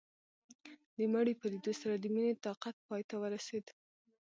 د مړي په ليدو سره د مينې طاقت پاى ته ورسېد.